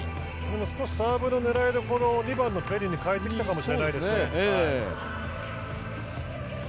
少しサーブの狙いを２番のペリンに変えてきたかもしれませんね。